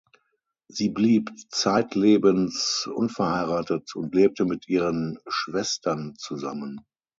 Sie blieb zeitlebens unverheiratet und lebte mit ihren Schwestern zusammen.